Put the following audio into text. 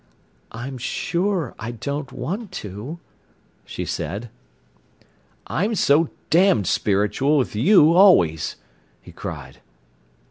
"I'm sure I don't want to," she said. "I'm so damned spiritual with you always!" he cried.